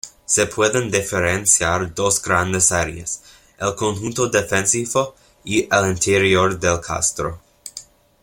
Se pueden diferenciar dos grandes áreas: el conjunto defensivo y el interior del castro.